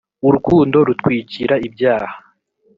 urukundo rutwikira ibyaha.